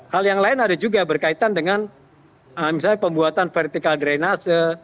hal yang lain ada juga berkaitan dengan misalnya pembuatan vertikal drainase